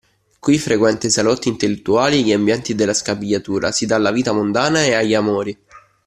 Qui frequenta i salotti intellettuali e gli ambienti della Scapigliatura, si dà alla vita mondana e agli amori.